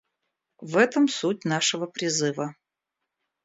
В этом суть нашего призыва.